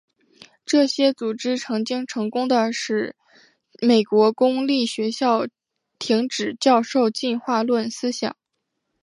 这些组织曾经成功地使美国公立学校停止教授进化论思想。